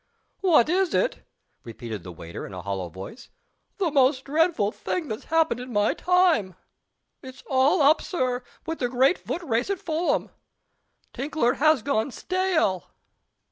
"What is it?" repeated the waiter, in a hollow voice. "The most dreadful thing that's happened in my time. It's all up, Sir, with the great Foot Race at Fulham. Tinkler has gone stale."